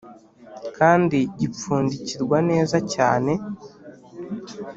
kandi gipfundikirwa neza cyane